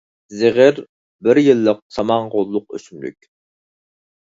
زىغىر — بىر يىللىق سامان غوللۇق ئۆسۈملۈك.